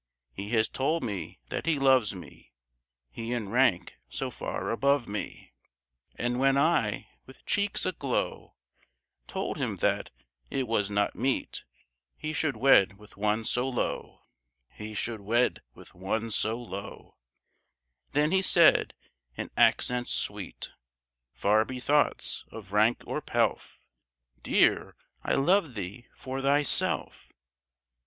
He has told me that he loves me, He in rank so far above me; And when I, with cheeks aglow, Told him that it was not meet He should wed with one so low, He should wed with one so low, Then he said, in accents sweet, "Far be thoughts of rank or pelf; Dear, I love thee for thyself!"